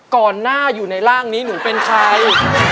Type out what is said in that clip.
ก่อนหน้าอยู่ในร่างนี้หนูเป็นใคร